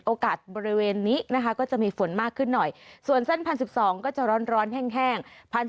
บริเวณนี้นะคะก็จะมีฝนมากขึ้นหน่อยส่วนเส้น๑๐๑๒ก็จะร้อนแห้ง